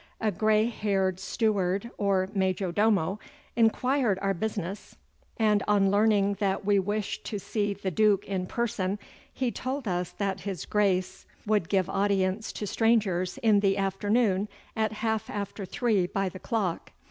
A grey haired steward or major domo inquired our business, and on learning that we wished to see the Duke in person, he told us that his Grace would give audience to strangers in the afternoon at half after three by the clock.